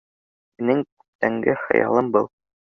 Минең күптәнге хыялым был